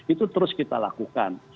itu terus kita lakukan